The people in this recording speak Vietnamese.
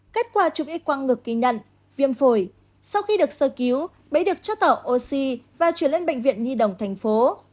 kết quả chụp y quang ngược kỳ nhận viêm phổi sau khi được sơ cứu bé được cho tỏ oxy và chuyển lên bệnh viện nhi đồng thành phố